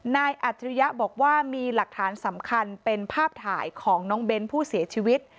อัจฉริยะบอกว่ามีหลักฐานสำคัญเป็นภาพถ่ายของน้องเบ้นผู้เสียชีวิต